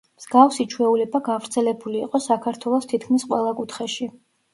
მსგავსი ჩვეულება გავრცელებული იყო საქართველოს თითქმის ყველა კუთხეში.